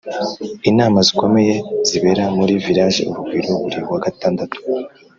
Inama zikomeye zibera muri Village Urugwiro buri wa gatandatu